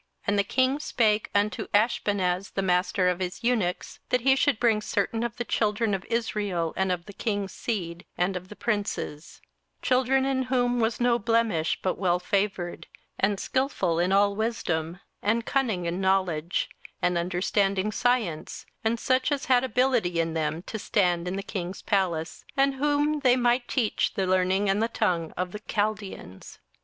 27:001:003 And the king spake unto Ashpenaz the master of his eunuchs, that he should bring certain of the children of Israel, and of the king's seed, and of the princes; 27:001:004 Children in whom was no blemish, but well favoured, and skilful in all wisdom, and cunning in knowledge, and understanding science, and such as had ability in them to stand in the king's palace, and whom they might teach the learning and the tongue of the Chaldeans.